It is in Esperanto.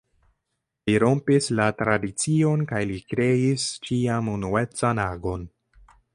Li rompis la tradicion kaj li kreis ĉiam unuecan agon.